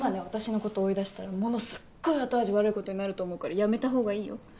私のこと追い出したらものすごい後味悪いことになると思うからやめた方がいいよ